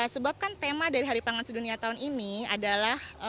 sebab kan tema dari hari pangan sedunia tahun ini adalah